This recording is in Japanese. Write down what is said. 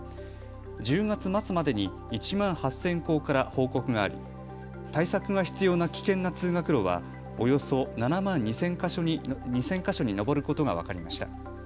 １０月末までに１万８０００校から報告があり、対策が必要な危険な通学路はおよそ７万２０００か所に上ることが分かりました。